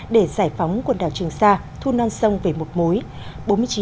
để giải phóng quần đảo trường sa thu non sông về một mối